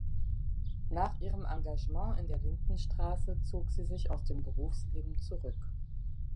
Nach ihrem Engagement in der "Lindenstraße" zog sie sich aus dem Berufsleben zurück.